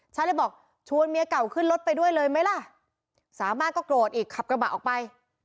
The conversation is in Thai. ฉันเลยบอกชวนเมียเก่าขึ้นรถไปด้วยเลยไหมล่ะสามารถก็โกรธอีกขับกระบะออกไป